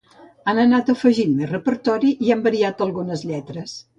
Han anat afegint més repertori i han variat algunes lletres.